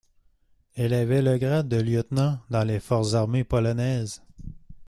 Elle avait le grade de lieutenant dans les forces armées polonaises.